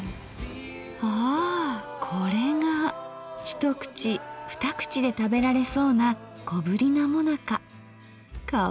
一口二口で食べられそうな小ぶりなもなか。